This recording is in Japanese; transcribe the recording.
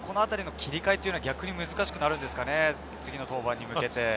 このあたりの切り替えは難しくなるんですかね、次の登板に向けて。